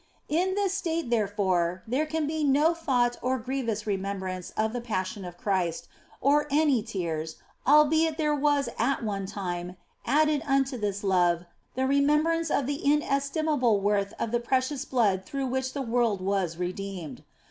In this state, therefore, there can be no thought or grievous remembrance of the Passion of Christ, or any tears, albeit there was at one time added unto this love the remembrance of the inestimable worth of the precious Blood through which the world was redeemed.